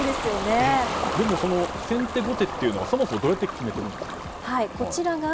先手、後手というのはどうやって決めているんですか。